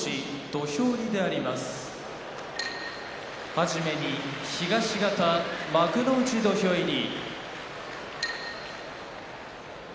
はじめに東方幕内土俵入り。